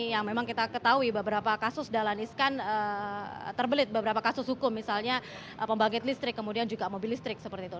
yang memang kita ketahui beberapa kasus dahlan iskan terbelit beberapa kasus hukum misalnya pembangkit listrik kemudian juga mobil listrik seperti itu